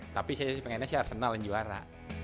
tapi saya pengennya sih arsenal yang juara